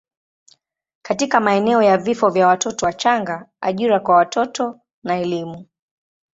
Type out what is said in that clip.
katika maeneo ya vifo vya watoto wachanga, ajira kwa watoto na elimu.